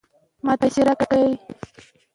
په کابل کې د اپارتمانونو اخیستل له خطر سره مل وو.